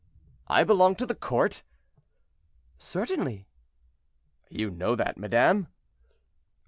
"I belong to the court?" "Certainly." "You know that, madame?"